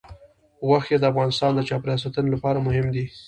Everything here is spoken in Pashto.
غوښې د افغانستان د چاپیریال ساتنې لپاره مهم دي.